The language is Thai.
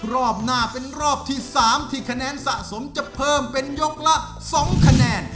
รอบหน้าเป็นรอบที่๓ที่คะแนนสะสมจะเพิ่มเป็นยกละ๒คะแนน